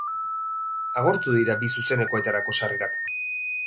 Agortu dira bi zuzenekoetarako sarrerak.